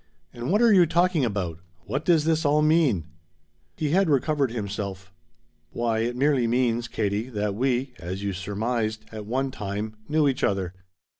"And what are you talking about? What does this all mean?" He had recovered himself. "Why it merely means, Katie, that we as you surmised at one time knew each other.